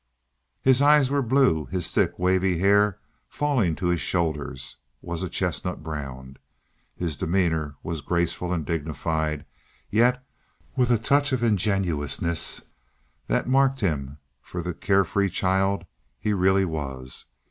His eyes were blue; his thick, wavy hair, falling to his shoulders, was a chestnut brown. His demeanor was graceful and dignified, yet with a touch of ingenuousness that marked him for the care free child he really was.